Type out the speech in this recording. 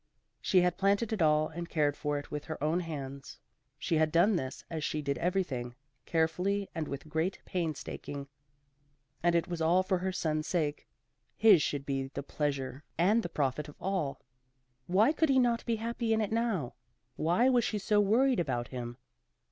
She had planted it all and cared for it with her own hands. She had done this as she did everything, carefully and with great painstaking, and it was all for her son's sake. His should be the pleasure and the profit of all. Why could he not be happy in it now? Why was she so worried about him?